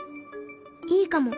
いいかも。